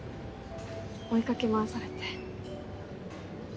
追いかけ回されて。